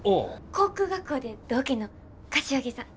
航空学校で同期の柏木さん。